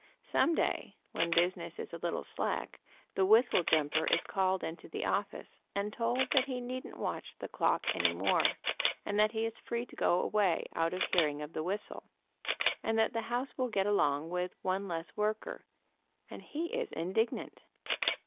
Some day when business is a little slack the whistle jumper is called into the office and told that he needn't watch the clock any more, and that he is free to go away out of hearing of the whistle, and that the house will get along with one less worker, and he is indignant.